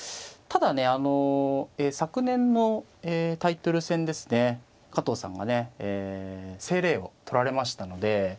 ただね昨年のタイトル戦ですね加藤さんがねえ清麗を取られましたので。